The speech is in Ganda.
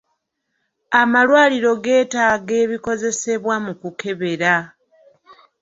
Amalwaliro getaaga ebikozesebwa mu kukebera.